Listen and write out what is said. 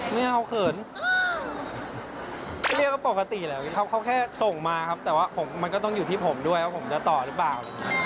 ไม่เอาเขินก็เรียกว่าปกติแล้วเขาแค่ส่งมาครับแต่ว่ามันก็ต้องอยู่ที่ผมด้วยว่าผมจะต่อหรือเปล่า